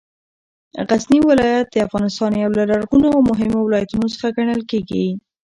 غزنې ولایت د افغانستان یو له لرغونو او مهمو ولایتونو څخه ګڼل کېږې